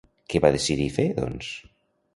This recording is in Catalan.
Què va decidir fer, doncs?